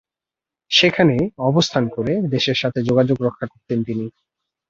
সেখানে অবস্থান করে দেশের সাথে যোগাযোগ রক্ষা করতেন তিনি।